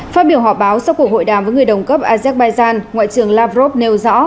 phát biểu họp báo sau cuộc hội đàm với người đồng cấp azerbaijan ngoại trưởng lavrov nêu rõ